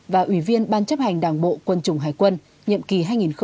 và ủy viên ban chấp hành đảng bộ quân chủng hải quân nhiệm kỳ hai nghìn năm hai nghìn một mươi